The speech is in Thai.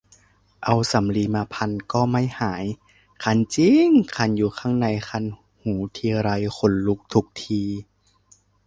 เอาสำลีมาพันก็ไม่หาย คันจริ๊ง คันอยู่ข้างใน คันหูทีไรขนลุกทุกที